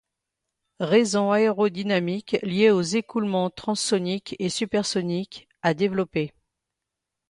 Raison aérodynamique liée aux écoulements transsoniques et supersoniques, à développer.